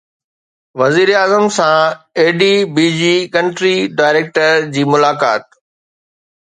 وزيراعظم سان A D B جي ڪنٽري ڊائريڪٽر جي ملاقات